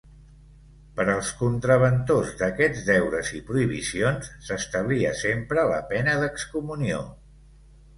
Per als contraventors d'aquests deures i prohibicions, s'establia sempre la pena d'excomunió.